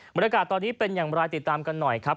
บรรยากาศตอนนี้เป็นอย่างไรติดตามกันหน่อยครับ